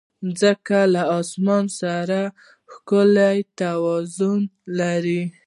مځکه له اسمان سره ښکلی توازن لري.